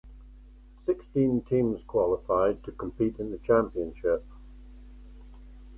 Sixteen teams qualified to compete in the championship.